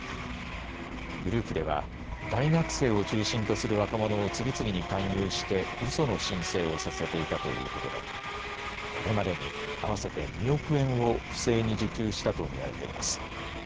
グループでは大学生を中心とする若者を次々に勧誘してうその申請をさせていたということでこれまでに合わせて２億円を不正に受給したと見られています。